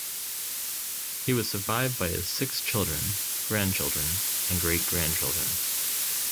He was survived by his six children, grandchildren, and great-grandchildren.